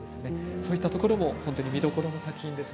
そういったところが見どころの作品です。